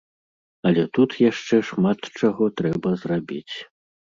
Але тут яшчэ шмат чаго трэба зрабіць.